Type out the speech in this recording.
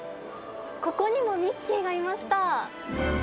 ここにもミッキーがいました。